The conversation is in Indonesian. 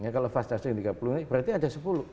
kalau fast charging tiga puluh menit berarti ada sepuluh